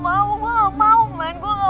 maksudnya komunikasi murahan